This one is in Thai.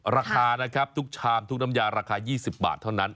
ราคานะครับทุกชามทุกน้ำยาราคา๒๐บาทเท่านั้น